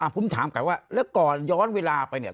ผมถามก่อนว่าแล้วก่อนย้อนเวลาไปเนี่ย